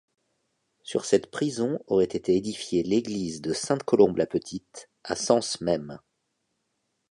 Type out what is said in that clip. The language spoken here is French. Sur cette prison aurait été édifiée l'église de Sainte-Colombe-la-Petite, à Sens même.